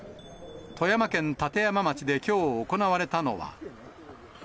富山県立山町できょう行われたのは。